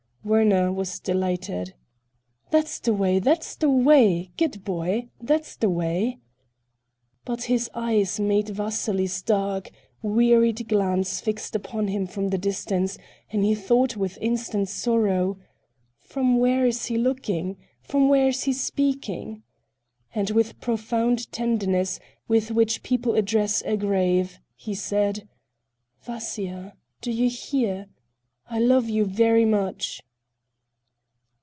Werner was delighted. "That's the way, that's the way. Good boy. That's the way." But his eyes met Vasily's dark, wearied glance fixed upon him from the distance and he thought with instant sorrow: "From where is he looking? From where is he speaking?" and with profound tenderness, with which people address a grave, he said: "Vasya, do you hear? I love you very much."